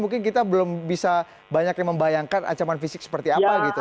mungkin kita belum bisa banyak yang membayangkan ancaman fisik seperti apa gitu